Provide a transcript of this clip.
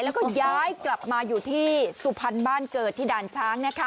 แล้วก็ย้ายกลับมาอยู่ที่สุพรรณบ้านเกิดที่ด่านช้าง